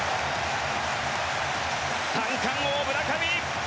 三冠王、村上。